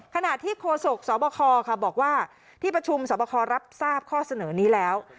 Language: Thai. ขณะที่โฆษกสบคบอกว่าที่ประชุมสอบคอรับทราบข้อเสนอนี้แล้ว